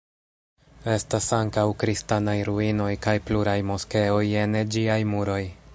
Estas ankaŭ kristanaj ruinoj kaj pluraj moskeoj ene ĝiaj muroj.